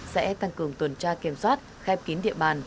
sẽ tăng cường tuần tra kiểm soát khép kín địa bàn